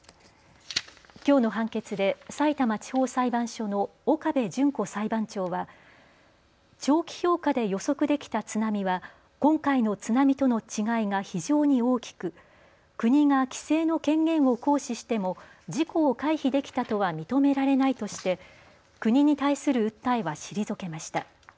きょうの判決でさいたま地方裁判所の岡部純子裁判長は長期評価で予測できた津波は今回の津波との違いが非常に大きく国が規制の権限を行使しても事故を回避できたとは認められないとして国に対する訴えは退けました。